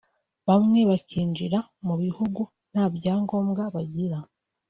bamwe bakinjira mu bihugu nta byangombwa bagira